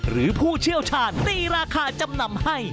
ผู้เชี่ยวชาญตีราคาจำนำให้